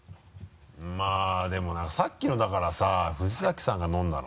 まぁでもなさっきのだからさ藤崎さんが飲んだの。